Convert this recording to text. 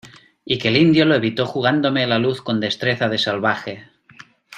y que el indio lo evitó jugándome la luz con destreza de salvaje.